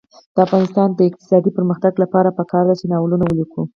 د افغانستان د اقتصادي پرمختګ لپاره پکار ده چې ناولونه ولیکو.